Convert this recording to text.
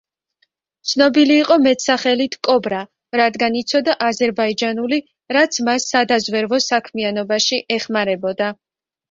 ცნობილი იყო მეტსახელით „კობრა“, რადგან იცოდა აზერბაიჯანული, რაც მას სადაზვერვო საქმიანობაში ეხმარებოდა.